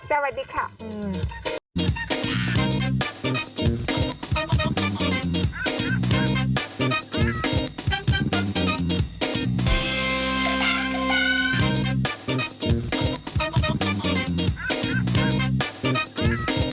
โปรดติดตามตอนต่อไป